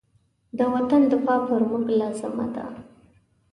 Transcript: د وطن دفاع پر موږ لازمه ده.